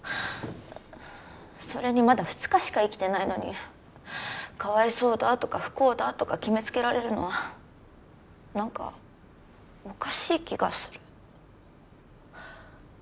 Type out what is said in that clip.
それにまだ２日しか生きてないのにかわいそうだとか不幸だとか決めつけられるのはなんかおかしい気がする。